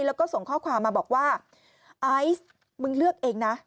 แล้วก็ส่งข้อความมาบอกว่าไอซ์มึงเลือกเองนะ